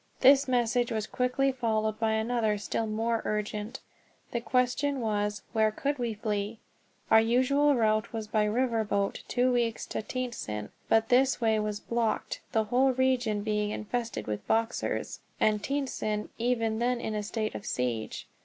This message was quickly followed by another still more urgent. The question was, where could we flee? Our usual route was by river boat two weeks to Tientsin, but this way was blocked, the whole region being infested with Boxers, and Tientsin even then in a state of siege.